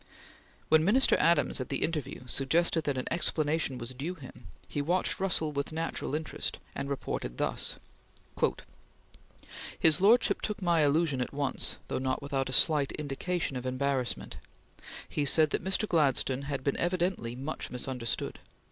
When Minister Adams, at the interview, suggested that an explanation was due him, he watched Russell with natural interest, and reported thus: ... His lordship took my allusion at once, though not without a slight indication of embarrassment. He said that Mr. Gladstone had been evidently much misunderstood.